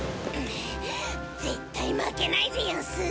絶対負けないでヤンス！